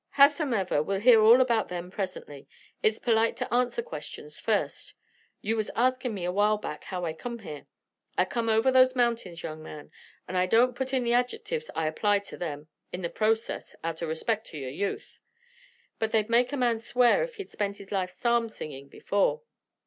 Howsomever, we'll hear all about them presently. It's polite to answer questions first. You was asking me a while back how I come here. I come over those mountains, young man, and I don't put in the adjectives I applied to them in the process outer respect to your youth. But they'd make a man swear if he'd spent his life psalm singin' before."